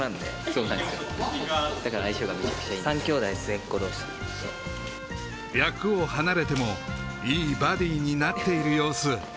だから相性がめちゃくちゃいいんです役を離れてもいいバディになっている様子